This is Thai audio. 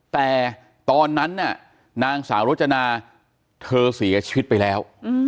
แต่ตอนนั้นน่ะนางสาวโรจนาเธอเสียชีวิตไปแล้ว